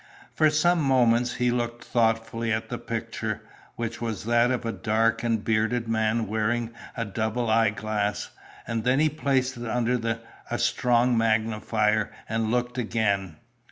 For some moments he looked thoughtfully at the picture, which was that of a dark and bearded man wearing a double eyeglass, and then he placed it under a strong magnifier, and looked again.